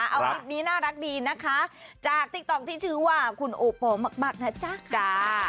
เอาคลิปนี้น่ารักดีนะคะจากติ๊กต๊อกที่ชื่อว่าคุณโอปอลมากนะจ๊ะจ้า